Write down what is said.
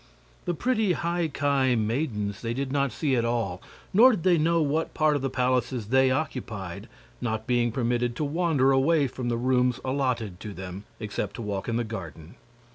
The pretty High Ki maidens they did not see at all, nor did they know what part of the palaces they occupied, not being permitted to wander away from the rooms allotted to them, except to walk in the garden.